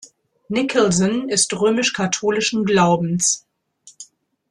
Nicholson ist römisch-katholischen Glaubens.